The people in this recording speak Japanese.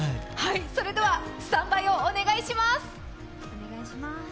それではスタンバイをお願いします。